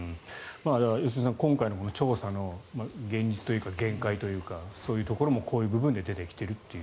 良純さん、今回の調査の現実というか限界というかそういうところもこういう部分で出てきていると。